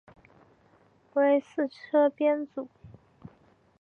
为四车编组。